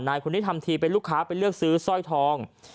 คนนี้ทำทีเป็นลูกค้าไปเลือกซื้อสร้อยทอง